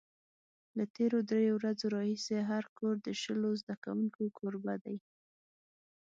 له تېرو درېیو ورځو راهیسې هر کور د شلو زده کوونکو کوربه دی.